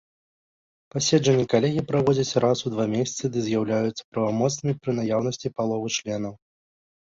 Паседжанні калегіі праводзяцца раз у два месяцы ды з'яўляюцца правамоцнымі пры наяўнасці паловы членаў.